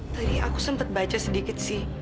tadi aku sempat baca sedikit sih